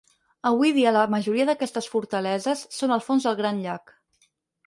Avui dia la majoria d'aquestes fortaleses són al fons del gran llac.